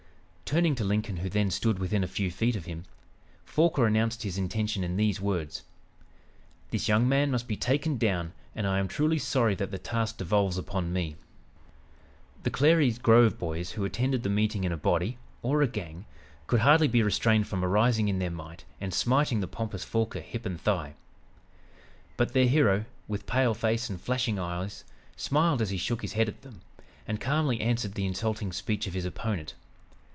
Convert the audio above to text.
Turning to Lincoln who then stood within a few feet of him, Forquer announced his intention in these words: "This young man must be taken down, and I am truly sorry that the task devolves upon me." The "Clary's Grove Boys," who attended the meeting in a body or a gang! could hardly be restrained from arising in their might and smiting the pompous Forquer, hip and thigh. But their hero, with pale face and flashing eyes, smiled as he shook his head at them, and calmly answered the insulting speech of his opponent.